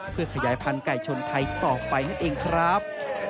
เพื่อขยายพันธุไก่ชนไทยต่อไปนั่นเองครับ